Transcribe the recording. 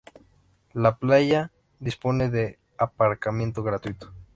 La playa dispone de aparcamiento gratuito.